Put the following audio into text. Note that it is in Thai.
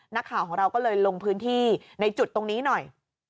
นักข่าวของเราก็เลยลงพื้นที่ในจุดตรงนี้หน่อย